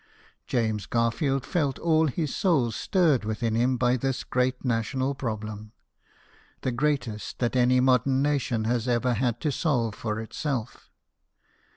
James Garfield felt all his soul stirred within him by this great national problem the greatest that any modern nation has ever had to solve for itself.